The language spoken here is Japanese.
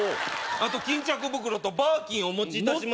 あと巾着袋とバーキンお持ちいたします